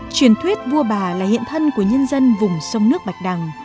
truyền thuyết vua bà là hiện thân của nhân dân vùng sông nước bạch đằng